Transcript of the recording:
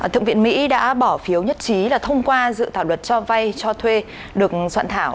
thượng viện mỹ đã bỏ phiếu nhất trí là thông qua dự thảo luật cho vay cho thuê được soạn thảo